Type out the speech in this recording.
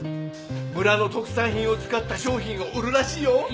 村の特産品を使った商品を売るらしいよ